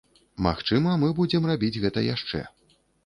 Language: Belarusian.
Магчыма, мы будзем рабіць гэта яшчэ.